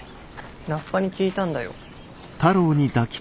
ラッパに聞いたんだよ。